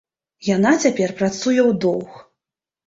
Яна цяпер працуе ў доўг.